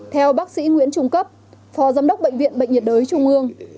theo bác sĩ nguyễn trung cấp phó giám đốc bệnh viện bệnh nhiệt đới trung ương